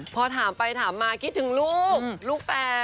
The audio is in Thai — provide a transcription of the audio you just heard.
พอถามไปถามมาคิดถึงลูกลูกแฟน